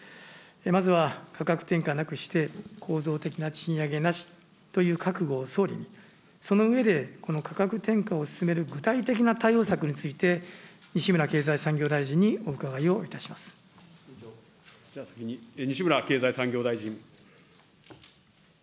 まずは価格転嫁なくして構造的な賃上げなしという覚悟を総理に、その上で、この価格転嫁を進める具体的な対応策について、西村経済産業大臣西村経済産業大臣。